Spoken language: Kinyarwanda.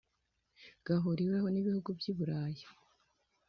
gahuriweho n'ibihugu by'i buraya (cee)